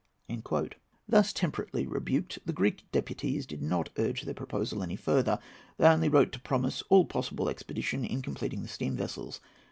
Thus temperately rebuked, the Greek deputies did not urge their proposal any further. They only wrote to promise all possible expedition in completing the steam vessels.